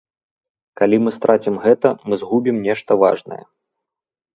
Калі мы страцім гэта, мы згубім нешта важнае.